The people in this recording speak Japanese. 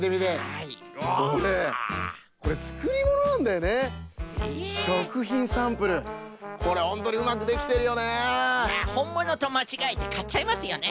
いやほんものとまちがえてかっちゃいますよね。